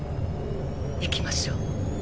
行きましょう。